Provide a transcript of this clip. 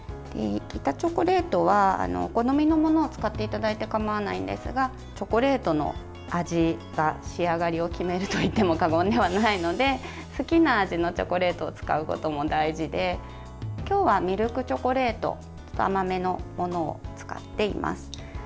板チョコレートはお好みのものを使っていただいてかまわないんですがチョコレートの味が仕上がりを決めると言っても過言ではないので好きな味のチョコレートを使うことも大事で今日はミルクチョコレート甘めのものを使っています。